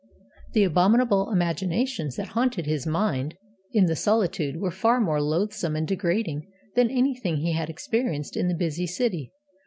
The abominable imaginations that haunted his mind in the solitude were far more loathsome and degrading than anything he had experienced in the busy city.